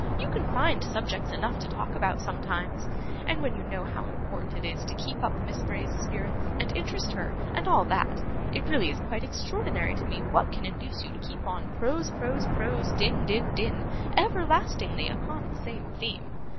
You can find subjects enough to talk about sometimes, and when you know how important it is to keep up Miss Bray's spirits, and interest her, and all that, it really is quite extraordinary to me what can induce you to keep on prose, prose, prose, din, din, din, everlastingly, upon the same theme.